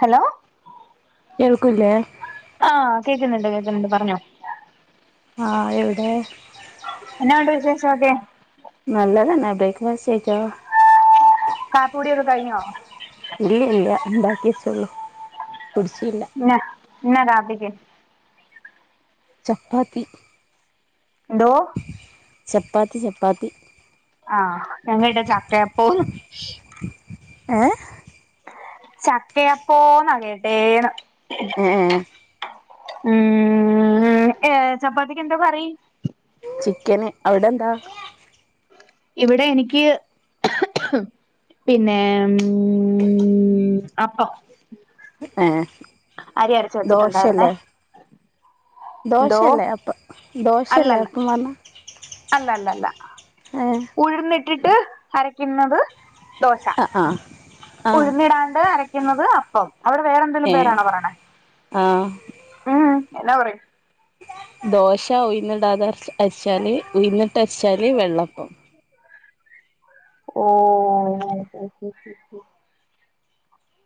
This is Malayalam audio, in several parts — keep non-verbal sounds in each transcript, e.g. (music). ഹലോ കേൾക്കൂലെ ആഹ് കേൾക്കുന്നുണ്ട് കേൾക്കുന്നുണ്ട് പറഞ്ഞോ ആഹ് എവിടെ എന്നാ ഉണ്ട് വിശേഷം ഒക്കെ നല്ലതന്നെ ബ്രേക്ക്ഫാസ്റ്റ് കഴിച്ചോ കാപ്പികുടി ഒക്കെ കഴിഞ്ഞോ ഇല്ല ഇല്ലയ ഉണ്ടാക്കി വെച്ചോള്ളു കുടിച്ചില്ല ന്ന എന്താ രാത്രിക്ക് ചപ്പാത്തി എന്തോ ചപ്പാത്തി, ചപ്പാത്തി ആഹ് ഞങ്ങളുടെ ചക്കയപ്പൊ ഏഹ് ചക്കയപ്പോനം എടേണം ഉം ഉം ഏഹ് ചമ്പാത്തിക്ക് എന്താ കറി ചിക്കന് അവിടെന്താ ഇവിടേ എനികിയ് പിന്നെ ഉം അപ്പം ഹ്ഏയ് അരി അരച്ച് വെച്ചിട്ടുണ്ടായിരുന്നേ എന്തോ ദോശയല്ലേ അപ്പം ദോശല്ലേ അപ്പം പർഞ്ഞേ അല്ലെ ല്ലെ അല്ല ഏഹ് ഉഴിന്നിട്ടിട്ട് അരക്കിന്നത് ദോശ ആഹ് ആഹ് ആഹ് ഉഴുന്നിടാണ്ട് അരക്കുന്നത് അപ്പം അവിടെ വേറെ എന്തെലും ഏഹ് പേരാണോ പറിണേ ആഹ് ഉം എന്നാ പറയും ദോശ ഉയന്നിടാതെ അരിച്ചാല്, ഉയന്നിട്ടരിച്ചാല് വെള്ളപ്പം. ഓഓഓഓ ഉം ഉ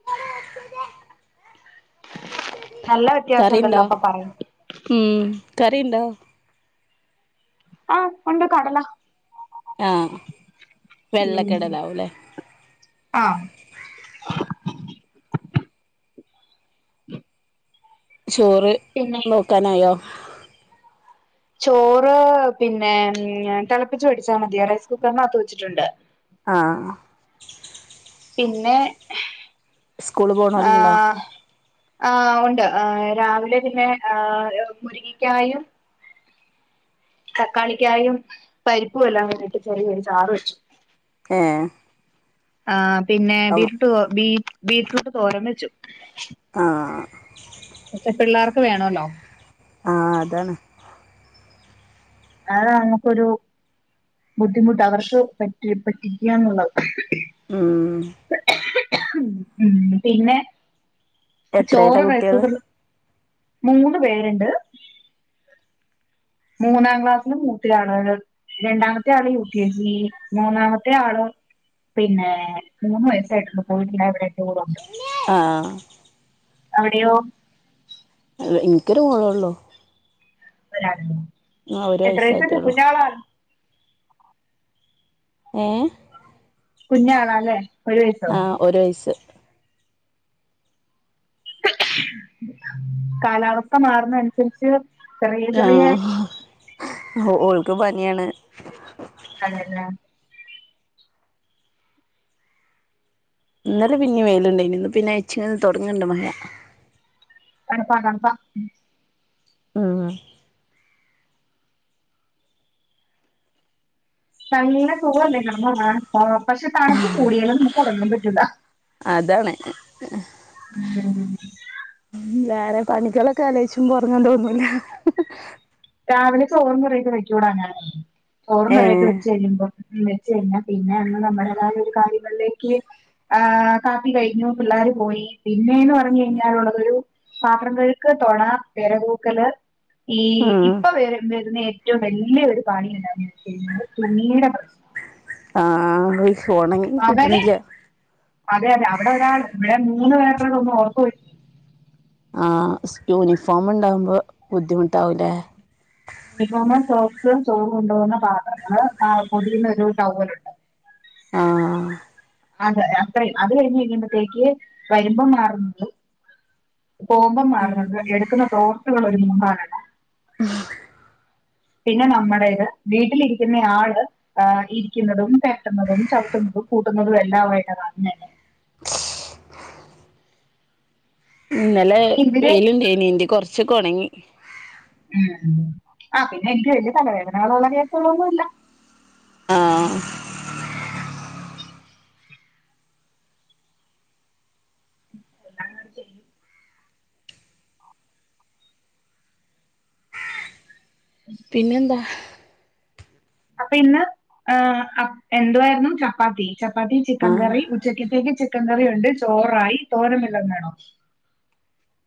(unintelligible) നല്ല വ്യത്യാസണ്ടല്ലോ കറിയുണ്ടോ അപ്പൊ പറയും ഉം കറിണ്ടോ ആഹ് ഉണ്ടാകാരാലോ ആഹ് വെള്ളക്കടെലാവുല്ലേ? ആഹ് (inaudible) ചോറ് പിന്നേ നോക്കാനായോ ചോറ് പിന്നെ തിളപ്പിച്ചു മേടിച്ചാ മതിയ റൈസ് കുക്കറിനകത്ത് വെച്ചിട്ടുണ്ട് ആഹ് പിന്നെ സ്കൂള് പോണോലുണ്ടോ ആഹ് ആഹ് ഉണ്ട് രാവിലെ പിന്നെ മുരിങ്ങിക്കായും തക്കാളിക്യായാലും പരിപ്പും എല്ലാം അങ്ങിട്ട് ഒരു ചെറിയ ചാറ് വെച്ചു ഏഹ് ആ പിന്നെ അപ്പം ബീട്ടൂ ബീറ്റ്റൂട്ട് തോരം വെച്ചു ആഹ് പക്ഷേ പിള്ളാർക്ക് വേണല്ലോ ആഹ് അതാണ് ആഹ് ങ്ങക്കൊരു ബുദ്ധിമുട്ടാ വർഷോ പറ്റി പറ്റിക്കാന്നുള്ളത് ഉം (inaudible) ഉം പിന്നെ എത്രേലാ ചോറ് കുട്ടികള് റൈസൂടല് മൂന്ന് പേരുണ്ട് മൂന്നാം ക്ലാസ് ഒന്ന് മൂത്തയാള് രണ്ടാമത്തെയാള് യു. കെ. ജി മൂന്നാമത്തെയാള് പിന്നെ മൂന്ന് വയസ്സായിട്ട് പോയിട്ടടെ കൂടുണ്ട് ആഹ് അവിടെയോ ഇനിക്കൊരു ആള്ളോള്ളൊ ആഹ് ഒരു എത്ര വയസു വയസ്സായിട്ടുള്ളൂ കുഞ്ഞാളണ് ഏഹ് കുഞ്ഞാണല്ലെ ഒരു വയസോ ആഹ് ഒരു വയിസ്സ് (unintelligible) കാലാവസ്ഥ മാറുന്ന അനുസരിച്ച് ആഹ് ഹൊ ഓൾക്ക് പനിയാണ് അതെല്ലാ ഇന്നലെ പിന്നിം വൈല്ണ്ടയ്ന് ഇന്ന് പിന്നെ ഇച്ചെെന്ന് താെടങ്ങ്ണ്ട് മയ തണ്പ്പാ തണ്പ്പാ ആഹ് (unintelligible) ആഹ് പക്ഷെ തണ്പ്പ് കൂടിയാല് നമുക്ക് ഒറങ്ങാൻ പറ്റൂലാ അതാണ് ഉം (inaudible) ഉം വേറെ പണികളൊക്കെ ആലോയ്ച്ചുംമ്പോ ഒറങ്ങാൻ തോന്നൂല്ല ഹ് ഹ് രാവിലെ ചോറും കറിയൊക്കെ കഴിക്കോടാ ഞാൻ ചോററും കറിയൊക്കെ ഏഹ് വെച്ച്കഴിമ്പം നന്നവെച്ചി കഴിഞ്ഞാൽ പിന്നെ നമ്മള് നമ്മുടെതായ ഒരു കാര്യങ്ങളിലേക്ക് ആഹ് കാപ്പി കയിഞ്ഞു പിള്ളേര് പോയി പിന്നേന്ന് പറഞ്ഞു കഴിഞ്ഞാലുള്ളതൊരു പാത്രം കഴുക്ക് തൊടാം പെര തൂക്കല് ഈ ഉം ഇപ് (unintelligible) ന്ന ഏറ്റവും വലിയ ഒരു പണി ണ്ടാവും വെച്ച്കഴിഞ്ഞാൽ തുണിയുടെ പ്രശ്നം ആഹ് ഹോയ് ഫോണെങ്കി അവനെ കിട്ട്ണ്ല്യ അതെ അതെ അവടെ ഒരാൾ ഇവിടെ മൂന്ന് പേർക്ക ഒന്നും ഓഫ് വെ ആഹ് സ് യൂണിഫോം ഇണ്ടാവുമ്പോ ബുദ്ധിമുട്ടാവൂലേ യൂണിഫോം സോക്സ് ചോറ്ണ്ടോ വുന്ന പാത്രങ്ങള് ആഹ് പൊതിയുന്നൊരു ടവ്വലുണ്ട് ആഹ് ആഹ് അതെ അത്രെ അത് കഴിഞ്ഞ് കഴിയുമ്പത്തേക്ക് വരുമ്പംമാറുന്നുള്ളൂ പോവുമ്പം മാറ്ണത് എട്ക്ക്ന്ന ടോർത്ത്കൾ ഒരുങ്ങുമ്പൊ മാറ്ണതല്ല പിന്നെ നമ്മടേത് വീട്ടിലിരിക്കുന്ന ആള് ആഹ് ഇരിക്കുന്നതും പെരട്ട്ന്നതും ചവ്ട്ട്ന്നതും പൂട്ടുന്നതും എല്ലാവായിട്ടതങ്ങനെ ഇന്നലെ പിന്നെ ഇവര് വെയിലുണ്ടേനി ഇൻ്റെ കൊറച്ചൊക്കെ ഒണങ്ങി ഉം ആഹ് പിന്നെ എന്ത് വെല്യ തലവേദനകളുള്ള കേസുകള്ളൊന്നുല്ല ആഹ് എല്ലാം ഇങ്ങണ്ട് ചെയ്യും പിന്നെന്താ അപ്പൊ ഇന്ന് ആഹ് അപ് എന്തുവായിരുന്നു ചപ്പാത്തി ചപ്പാത്തി ആ ചിക്കൻ കറി ഉ ഉച്ചക്കത്തേക്ക് ചിക്കൻ കറി ഉണ്ട് ചോറായി തോരൻ വെല്ലതും വേണോ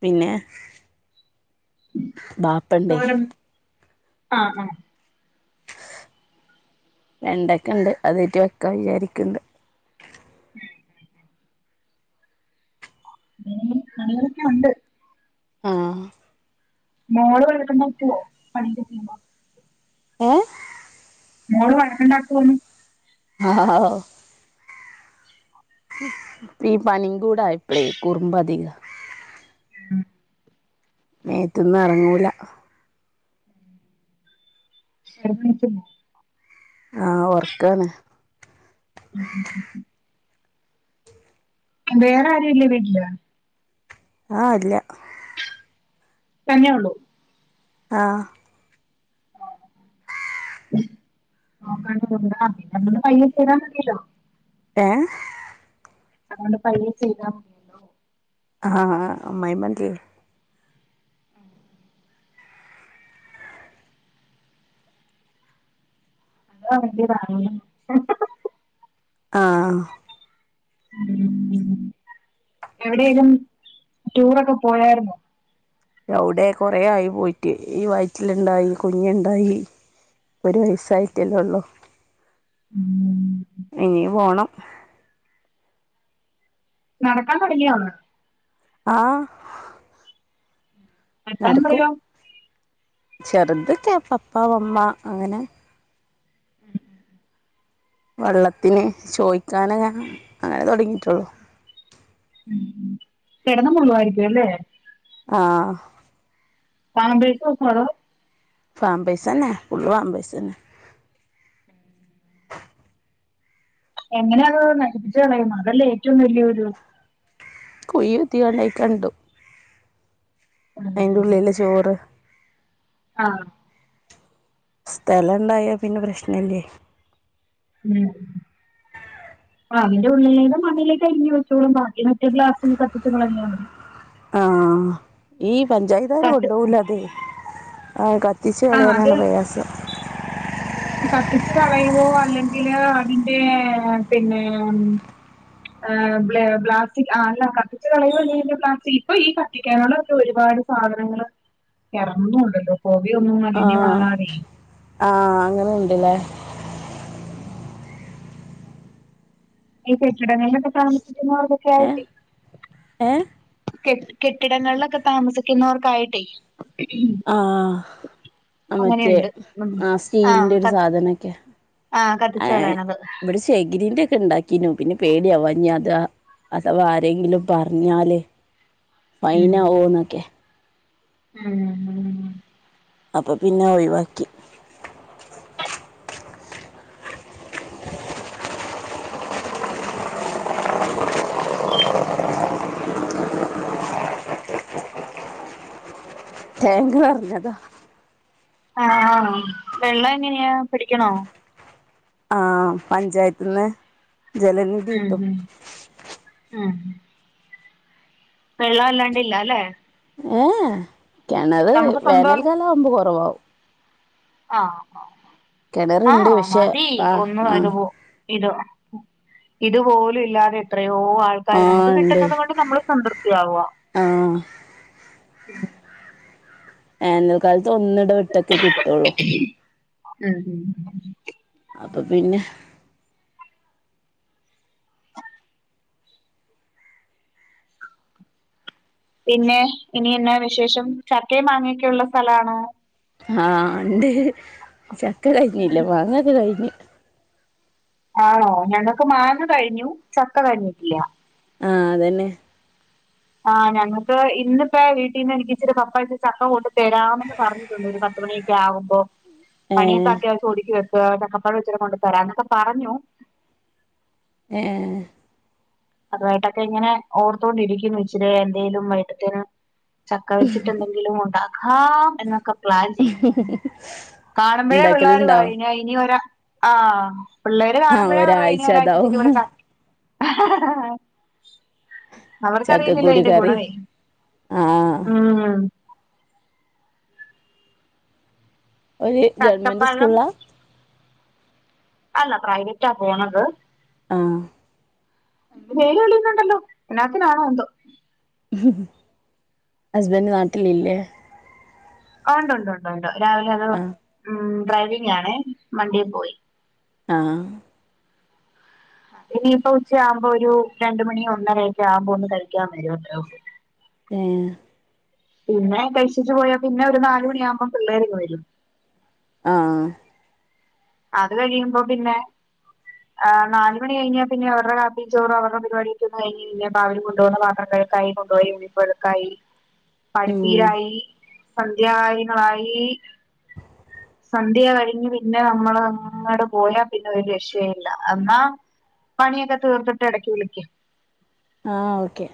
പിന്നെ ബാപ്പണ്ടേ തോരൻ ആ ആ (inaudible) വെണ്ടക്കണ്ട് അതേറ്റ് വെക്കാ വിചാരിക്ക്ണ്ട് (unintelligible) ഇനിയും പണികളൊക്കെ ഉണ്ട് ആ മോള് വന്ന്ടുണ്ട്റ്റുവോ പണിന്റെ ചെയ്യ് മോ (unintelligible) ഏഹ് മോള് വഴക്ക്ണ്ടാക്കോന്ന് ഹ ഹ ഹാ ഹൗ ഇപ്പിപനിം കൂടായപ്പളേ കുറുമ്പ് അധിക (unintelligible) മേത്ത്ന്നറങ്ങൂല ശർദ്ദിക്കുന്നോ ആഹ് ഒർക്കാണ് ഉ ഉംം വേറെ ആരുല്ലെവീട്ടില് ആ ഇല്ല തന്നെള്ളൂ ആഹ് നോക്കാണ്ട് കൊണ്ട അപ്പൊ പിന്നെ പയ്യെ ചെയ്താ മതിയല്ലോ ഏ അതോണ്ട്പയ്യെ ചെയ്താ മതി ആ ആ അമ്മയിമ്മ എന്തേ അതാ വല്യ കാര്യം ആഹ് എവിടെലും ടൂറൊക്കെ പോയരുന്നോ എവടെ കൊറെ ആയി പോയിട്ട് ഈ വയറ്റിലുണ്ടായി കുഞ്ഞുണ്ടായി ഒരു വയസ്സായിട്ടല്ലേള്ളൂ ഉം ഇനി പോണം നടക്കാൻ തൊടങ്ങിയോ ആഹ് വെക്കാൻ നരക്കും പറയോ ചെറുത് ക്കെ പപ്പ അമ്മ അങ്ങനെ ഉം വെള്ളത്തിന് ചോയിക്കാങ്ങനെഅങ്ങനെ തൊടങ്ങിയിട്ടുള്ളു ഉം കെടന്ന് മുള്ളുവായിരിക്കുംല്ലേ ആഹ് പാമ്പേഴ്സ് വെക്കോ ടോ പാമ്പേഴ്സ് തന്നെ ഫുള്ള് പാമ്പേഴ്‌സ്‌തന്നെ എങ്ങനെയത് നടിപ്പിച്ചച്ച് കളയുന്നു അതല്ലേ ഏറ്റവും വലിയൊരു കുയ്യുതിങ്ങാണ്ട് അയക്കാംങ്ങട്ട് ടും അയിന്റെ ഉള്ളില് ചോറ് ആഹ് സ്ഥലണ്ടായ പിന്നെ പ്രശ്നല്ലേ ഉം ആ അതിന്റെ ഉള്ളിലേത് മണ്ണിലേക്കലി ഞ്ഞോളും വച്ചോളും ബാക്കി മറ്റൊ പ്ലാസ്റ്റിക് കത്തിച്ച് കളഞ്ഞാ മതി ആഈ പഞ്ചായത്തുകർ കത്ത് കൊണ്ടുപോകല അതെ ആ ആ അത് കത്തിച്ചുകളയാനാണ്പ്രയാസം കത്തിച്ച് കളയവോ അല്ലെങ്കില് അതിന്റെ പിന്നെ ആ ബ്ലാസ്റ്റി അല്ല കത്തിച്ച കളയല്ലേ ബ്ലാസ്റ്റിക് ഇപ്പൊ ഈ കത്തിക്കാനോക്കെ ഒരുപാട് സാധനങ്ങൾ ഇറങ്ങുന്നുണ്ടല്ലോ കോവിയ ഒന്നും മലിഞ്ഞഞ്മാറാതെ ആ അങ്ങനെ ഉണ്ടല്ലേ (inaudible) ഈ കെട്ടിടങ്ങളിലൊക്കെ ഏഹ് താമസിക്കുന്നവർക്കൊക്കെയിട്ട് ഏഹ് കെ കെട്ടിടങ്ങളിലൊക്കെ താമസിക്കുന്നവർക്കായിട്ടേ ആഹ് മറ്റേ അങ്ങനെയുണ്ട് ഉ ആഹ് ആ സ്റ്റീലിന്റെ ക ഒരു സാധനൊക്കെ ആ കത്തിച്ചളണത് എഗ്രിമെന്റ് ഒക്കെ ഉണ്ടാക്കീന്നു പിന്നെ പേടിയവാഞ്ഞ അതാ അഥവാരെങ്കിലും പറഞ്ഞാല് ഉം ഫൈനാവോന്നൊക്കെ ഉം അപ്പൊ പിന്നെ ഒഴിവാക്കി താങ് കു പറഞ്ഞതാ ആഹ് വെള്ളം എങ്ങനെയ പിടിക്കണോ ആ പഞ്ചായത്തിന്ന് ജലനി ഉം ഉം ഉം വെള്ളല്ലാണ്ടില്ലലെ ഏഹ്ഹേ കെണറ് നമുക്ക് സ്വന്തം വേനൽക്കാലം ആവുമ്പോ കൊറവാവും ആഹ് ആഹ് കിണറുണ്ട് പക്ഷെ മതി ആഹ് ഒന്ന് ആഹ് (unintelligible) ഇതോ ഇത്പോലും ഇല്ലാതെ എത്രയോ ആൾ ആഹ് നമുക്ക് കിട്ട്ന്നത് കൊണ്ട് നമ്മള് സംതൃപ്തിയാവാ ആഹ് ഉം വേനൽക്കാലത്ത് ഒന്നിടവിട്ടൊക്കെ കിട്ടൊള്ളൂ ഉം അപ്പ പിന്നെ പിന്നെ ഇനി എന്നാ വിശേഷം ചക്കേം മാങ്ങയൊക്കെ ഉള്ള സ്ഥലാണോ? ആഹ് ഇണ്ട് ചക്ക കഴിഞ്ഞില്ല മാങ്ങക്കെ കഴിഞ്ഞ് ആണോ ഞങ്ങക്ക് മാങ്ങ കഴിഞ്ഞു ചക്ക കഴിഞ്ഞിട്ടില്ല ആഹ് അതന്നെ ആഹ് ഞങ്ങക്ക് ഇന്നിപ്പേ വീട്ടീന്ന് എനിക്ക് ഇച്ചിരി പപ്പ എനിക്ക് ചക്ക കൊണ്ട് തരാമെന്ന് പറഞ്ഞിട്ടുണ്ട് ഒര് പ പത്ത് മണിയൊക്കെവുമ്പോ പണിയൊക്കെ ഏഹ് അത്യാവശ്യം ഒതിക്ക് വെക്ക് ചക്കപ്പഴം ഇച്ചരി കൊണ്ട് തരാന്നൊക്കെ പറഞ്ഞു ഏഹ് ഏഹ് അതു ആയിട്ടൊക്കെങ്ങനെ ഓർത്തൊണ്ടിരിക്കുന്നു ഇച്ചിരേ എന്തേലും വൈറ്റത്തേനു ചക്ക വെച്ചിട്ട്ണ്ടേങ്കിലും ഉണ്ടാക്കാം എന്നൊക്കെ പ്ലാൻ ചെയ്യും കാണുമ്പഴേ പിള്ളേര് ഉണ്ടാക്കലുണ്ടോ പറയും ഇനി (unintelligible) വരാ ആഹ് പിള്ളേര് ആഹ് കാണുമ്പഴേ പറയും ഇനി ഒരാഴ്ച ഒരാഴ്ച്ചത്തേക്ക് ഇവടെ അതാവും ക ആഹ് അവർക്കറിയില്ലല്ലോ ചക്കക്കുരു അയിന്റെ കറി ഗുണമേ ആഹ് ഉം ഓല് ഗവൺമെന്റ് ചക്കപ്പഴം സ്കൂള്ലാ അല്ല പ്രൈവറ്റാ പോണത് ആഹ് (unintelligible) എന്നാത്തിനാണോ എന്തോ ഹസ്ബന്റ് നാട്ടിലില്ലേ ആഹ് ഉണ്ട്ണ്ട് ഉണ്ട് രാവിലെ അത് ആഹ് ഉം ഡ്രൈവിംങ്ങാണെ വണ്ടീ പോയി ആഹ് ഇനിയിപ്പോ ഉച്ചയാവുമ്പോ ഒരു രണ്ട് മണി ഒന്നരയൊക്കെ ആവുമ്പോ ഒന്ന് കഴിക്കാൻ വരുട്ടോ ഏഹ് പിന്നെ കഴിച്ച്ട്ട് പോയാ പിന്നെ ഒരു നാല് മണിയാവുമ്പം പിള്ളേരിങ്ങ് വരും ആഹ് അത് കഴിയുമ്പോ പിന്നെ ആഹ് നാല് മണി കഴിഞ്ഞാ പിന്നെ അവര്ടെ കാപ്പി ചോറോ അവര്ടെ പരിപാടിയക്കൊന്ന് കഴിഞ്ഞ് പിന്നെ (unintelligible) കൊണ്ടോന്ന പാത്ര ക തൈ കൊണ്ടോയി (unintelligible) ഉ പഠിപ്പയിലായി സന്ധ്യാങ്ങളളായി വണ്ടി കഴിഞ്ഞ് പിന്നെ നമ്മള് അങ്ങട്ട് പോയാ പിന്നെ ഒരു രക്ഷ്യയുല്ല എന്നാ പണിയൊക്കെ തീർത്തിട്ട് എടയ്ക്ക് വിളിക്ക് ആഹ് ഓക്കെ